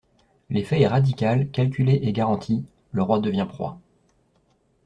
L’effet est radical, calculé et garanti: le roi devient proie.